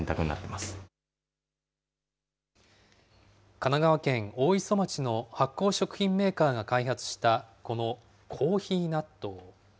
神奈川県大磯町の発酵食品メーカーが開発した、このコーヒー納豆。